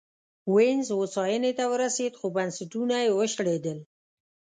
وینز هوساینې ته ورسېد خو بنسټونه یې وشړېدل